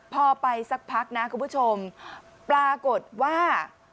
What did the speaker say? พอไปสักพักนะคุณผู้ชมปรากฏว่า